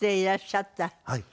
はい。